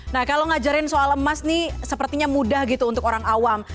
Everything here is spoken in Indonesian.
nah kalau ngajarin soal emas nih sepertinya mudah gitu untuk orang awam